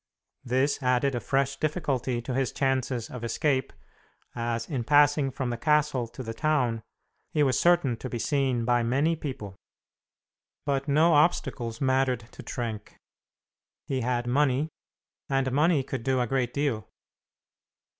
This added a fresh difficulty to his chances of escape, as, in passing from the castle to the town, he was certain to be seen by many people. But no obstacles mattered to Trenck. He had money, and money could do a great deal.